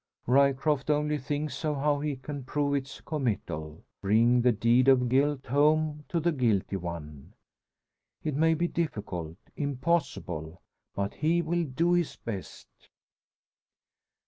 Ryecroft only thinks of how he can prove its committal bring the deed of guilt home to the guilty one. It may be difficult, impossible; but he will do his best.